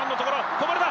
こぼれた。